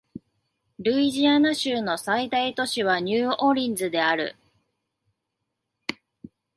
ルイジアナ州の最大都市はニューオーリンズである